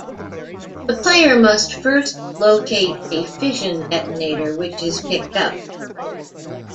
The player must first locate a fission detonator, which is picked up.